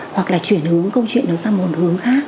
hoặc là chuyển hướng câu chuyện đó sang một hướng khác